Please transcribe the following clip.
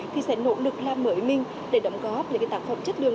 thì sẽ nỗ lực làm mới mình để đóng góp những tạp phẩm chất lượng về đồ dung